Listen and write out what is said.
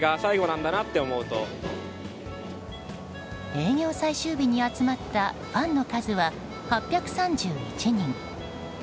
営業最終日に集まったファンの数は８３１人。